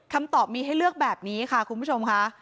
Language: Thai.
คำตอบมีให้เลือกแบบนี้ค่ะคุณผู้ชมค่ะ